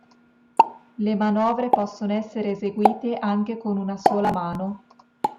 Le manovre possono essere eseguite anche con una sola mano.